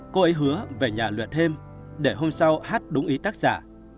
cô ấy hứa về nhà luyện thêm để hôm sau hát đúng ý tác giả